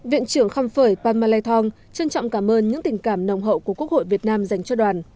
viện trưởng khăm phởi panmalei thong trân trọng cảm ơn những tình cảm nồng hậu của quốc hội việt nam dành cho đoàn